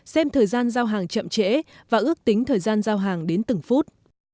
xem thời gian giao hàng chậm trễ và ước tính thời gian giao hàng đến từng phút